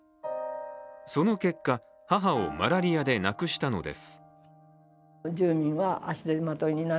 その結果、母をマラリアで亡くしたのです。